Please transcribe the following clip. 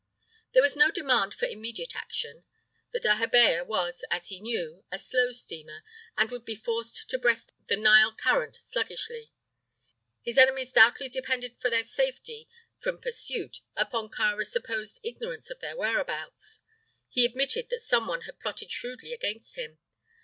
There was no demand for immediate action. The dahabeah was, as he knew, a slow steamer, and would be forced to breast the Nile current sluggishly. His enemies doubtless depended for their safety from pursuit upon Kāra's supposed ignorance of their whereabouts. He admitted that someone had plotted shrewdly against him.